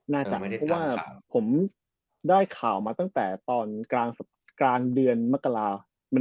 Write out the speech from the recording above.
น่าจะเพราะว่าผมได้ข่าวมาตั้งแต่ตอนกลางเดือนมกรา